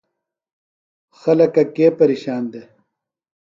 خلکہ کے پیرشان دےۡ؟